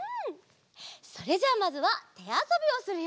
それじゃあまずはてあそびをするよ。